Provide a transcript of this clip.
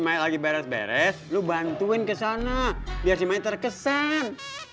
maik lagi beres beres lu bantuin ke sana biar si mater kesan